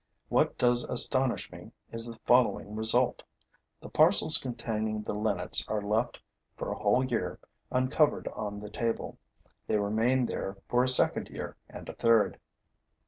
What does astonish me is the following result. The parcels containing the linnets are left for a whole year uncovered on the table; they remain there for a second year and a third.